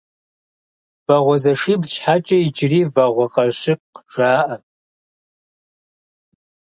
Вагъуэзэшибл щхьэкӀэ иджыри Вагъуэкъащыкъ жаӀэ.